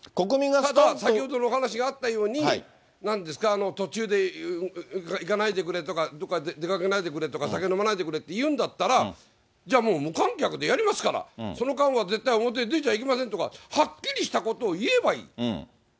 ただ、先ほどのお話があったように、なんですか、途中で行かないでくれとか、どこか出かけないでくれとか、酒飲まないでくれって言うんだったら、じゃあもう無観客でやりますから、その間は絶対表に出ちゃいけませんとか、はっきりしたことを言えばいい。